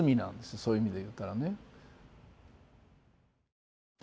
そういう意味でいったらね。